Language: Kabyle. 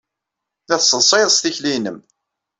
La tesseḍsayed s tikli-nnem.